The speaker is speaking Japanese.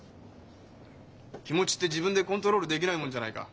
気持ちって自分でコントロールできないもんじゃないか。